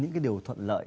những cái điều thuận lợi